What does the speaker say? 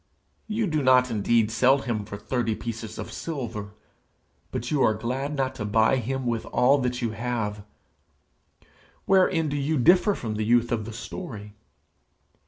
You do not indeed sell him for thirty pieces of silver, but you are glad not to buy him with all that you have! Wherein do you differ from the youth of the story?